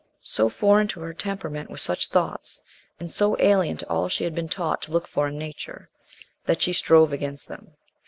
So foreign to her temperament were such thoughts, and so alien to all she had been taught to look for in Nature, that she strove against them.